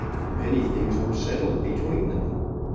Many things were settled between them.